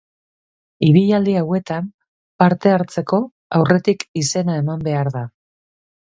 Ibilaldi hauetan parte hartzeko aurretik izena eman behar da.